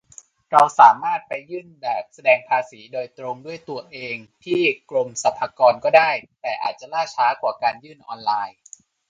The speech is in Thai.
เราสามารถไปยื่นแบบแสดงภาษีโดยตรงด้วยตัวเองที่กรมสรรพากรก็ได้ แต่อาจจะล่าช้ากว่าการยื่นออนไลน์